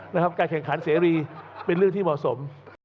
การแข่งขันเสรีเป็นเรื่องที่เหมาะสม